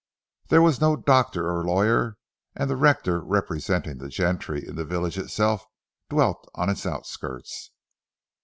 There was no doctor or lawyer and the rector representing the gentry in the village itself, dwelt on its outskirts.